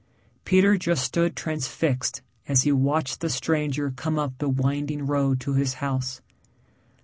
Peter just stood transfixed as he watched the stranger come up the winding road to his house.